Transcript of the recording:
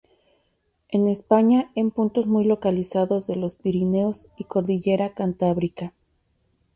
En España en puntos muy localizados de los Pirineos y Cordillera Cantábrica.